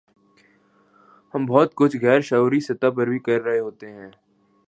ہم بہت کچھ غیر شعوری سطح پر بھی کر رہے ہوتے ہیں۔